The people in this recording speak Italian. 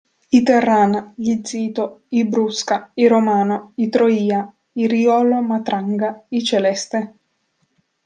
I Terrana, gli Zito, i Brusca, i Romano, i Troia, i Riolo-Matranga, i Celeste.